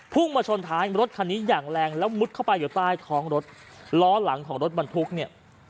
มาชนท้ายรถคันนี้อย่างแรงแล้วมุดเข้าไปอยู่ใต้ท้องรถล้อหลังของรถบรรทุกเนี่ย